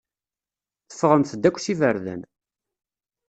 Teffɣemt-d akk s iberdan.